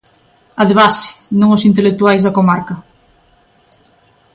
A de base, non os intelectuais da comarca.